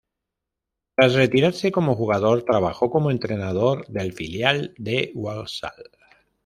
Tras retirarse como jugador trabajó como entrenador del filial del Walsall.